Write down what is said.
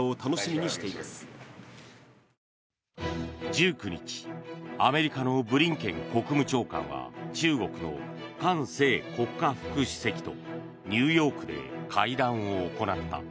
１９日アメリカのブリンケン国務長官は中国の韓正国家副主席とニューヨークで会談を行った。